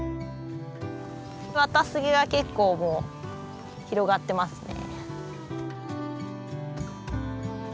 ワタスゲが結構もう広がってますね。